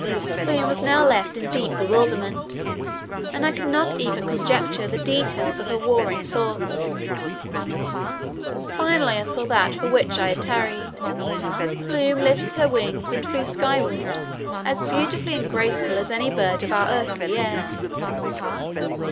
Plume was now left in deep bewilderment, and I could not even conjecture the details of her warring thoughts. Finally I saw that for which I had tarried. Plume lifted her wings and flew skyward as beautifully and gracefully as any bird of our earthly air.